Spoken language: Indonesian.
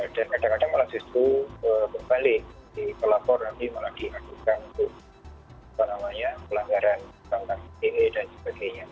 dan kadang kadang malah justru berbalik dikelapor nanti malah diakutkan untuk pelanggaran kontak dan sebagainya